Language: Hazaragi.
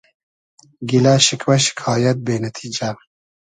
گیلۂ شیکوۂ شیکایئد بې نئتیجۂ